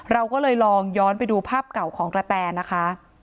เราก็เลยลองย้อนไปดูภาพเก่าของกระแตนะคะ